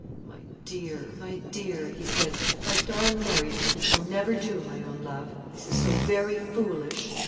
"My dear, my dear," he said, "my darling Mary, this will never do; my own love, this is so very foolish."